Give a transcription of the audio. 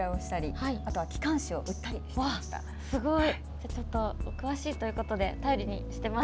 じゃちょっとお詳しいということで頼りにしてます。